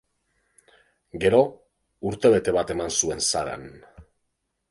Gero, urtebete bat eman zuen Saran.